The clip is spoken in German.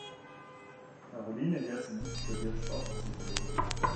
Caroline Jönsson studiert Sportpsychologie.